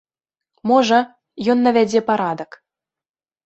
Можа, ён навядзе парадак.